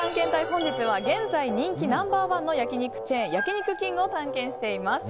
本日は現在人気ナンバー１の焼き肉チェーン焼肉きんぐを探検しています。